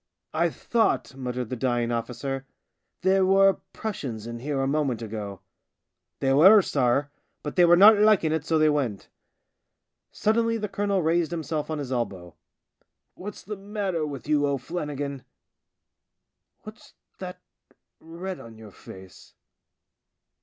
" I thought," muttered the dying officer, " there were Prussians in here a moment ago." " They were, sorr, but they were not liking it, so they went." Suddenly the colonel raised himself on his elbow. " What's the matter with you, THE SIXTH DRUNK 87 O'Flannigan ? What's that red on your face